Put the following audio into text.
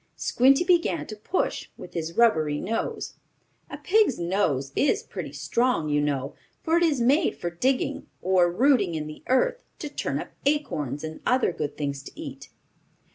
Squinty began to push with his rubbery nose. A pig's nose is pretty strong, you know, for it is made for digging, or rooting in the earth, to turn up acorns, and other good things to eat.